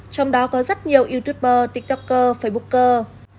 trong đó có rất nhiều youtuber tiktoker facebooker